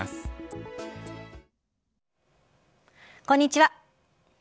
こんにちは。